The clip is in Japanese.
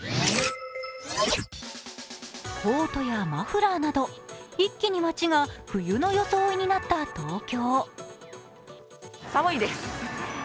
コートやマフラーなど、一気に街が冬の装いになった東京。